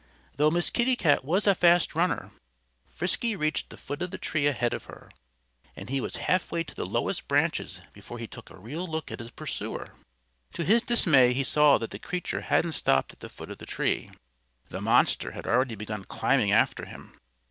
Though Miss Kitty Cat was a fast runner, Frisky reached the foot of the tree ahead of her. And he was half way to the lowest branches before he took a real look at his pursuer. To his dismay he saw that the creature hadn't stopped at the foot of the tree. The monster had already begun climbing after him.